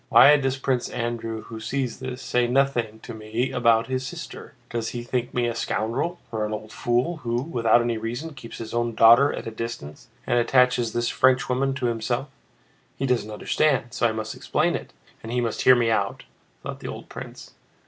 "Why does Prince Andrew, who sees this, say nothing to me about his sister? Does he think me a scoundrel, or an old fool who, without any reason, keeps his own daughter at a distance and attaches this Frenchwoman to himself? He doesn't understand, so I must explain it, and he must hear me out," thought the old prince.